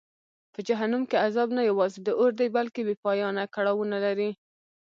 په جهنم کې عذاب نه یوازې د اور دی بلکه بېپایانه کړاوونه لري.